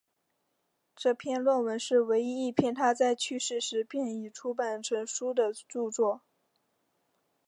这篇论文是唯一一篇他在世时便已出版成书的着作。